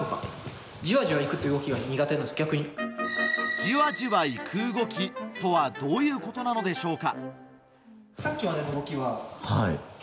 ジワジワ行く動きとはどういうことなのでしょうか？